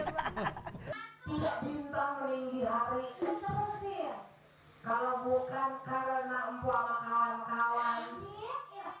kalau bukan karena empuang kawan kawan